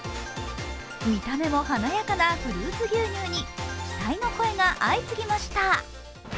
見た目も華やかなフルーツ牛乳に期待の声が相次ぎました。